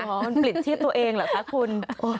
มันปลิดชีพตัวเองเหรอคะคุณ